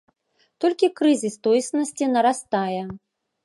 Толькі крызіс тоеснасці нарастае.